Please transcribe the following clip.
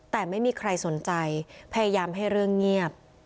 แต่ไม่มีใครสนใจพยายามให้เรื่องเงียบ